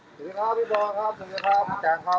สวัสดีครับพี่โบครับสวัสดีครับพี่แจ๊คครับ